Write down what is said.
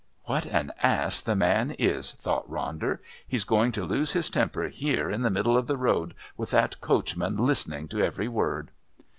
("What an ass the man is!" thought Ronder. "He's going to lose his temper here in the middle of the road with that coachman listening to every word.")